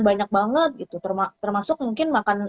banyak banget gitu termasuk mungkin makan